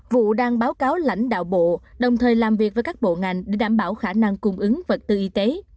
vụ đang báo cáo lãnh đạo bộ đồng thời làm việc với các bộ ngành để đảm bảo khả năng cung ứng vật tư y tế